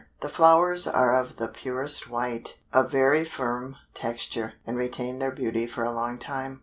The flowers are of the purest white, of very firm texture, and retain their beauty for a long time.